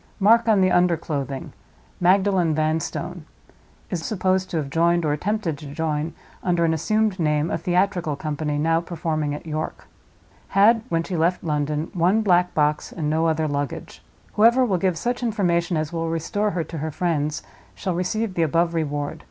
Mark on the under clothing—'Magdalen Vanstone.' Is supposed to have joined, or attempted to join, under an assumed name, a theatrical company now performing at York. Had, when she left London, one black box, and no other luggage. Whoever will give such information as will restore her to her friends shall receive the above Reward.